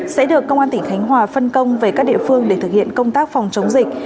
sẽ được công an tỉnh khánh hòa phân công về các địa phương để thực hiện công tác phòng chống dịch